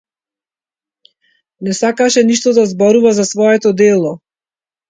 Не сакаше ниту да зборува за своето дело.